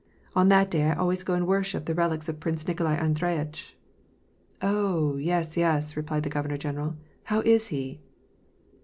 " On that day I always go and worship the relics of Prince Nikolai Andre yitch." " Oh, yes, yes," replied the governor general. " How is he